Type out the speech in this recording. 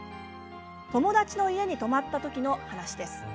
友達の家に泊まった時の話です。